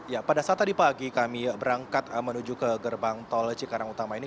ya pada saat tadi pagi kami berangkat menuju ke gerbang tol cikarang utama ini